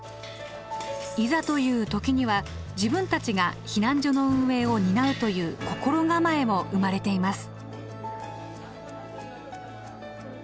いざという時には自分たちが避難所の運営を担うという心構えも生まれています。